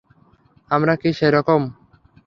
আমরা কি সেরকম?